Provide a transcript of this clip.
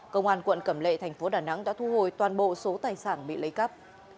công an quận cẩm lệ tp đà nẵng đã thu hồi toàn bộ số tài sản bị lấy cắp